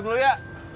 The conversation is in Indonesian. gua balik dulu ya